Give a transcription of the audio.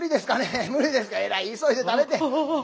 えらい急いで食べて。